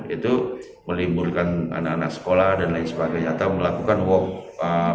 itu meliburkan anak anak sekolah dan lain sebagainya atau melakukan work